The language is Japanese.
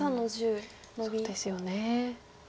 そうですよね。